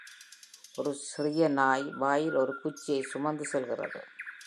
ஒரு சிறிய நாய் வாயில் ஒரு குச்சியை சுமந்து செல்கிறது.